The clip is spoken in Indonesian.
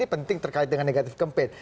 penting terkait dengan negatif campaign